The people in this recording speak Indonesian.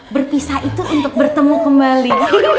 berpisah itu untuk bertemu kembali